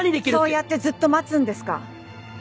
そうやってずっと待つんですか？